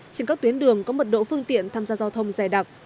trên các tuyến đường có mật độ phương tiện tham gia giao thông dài đặc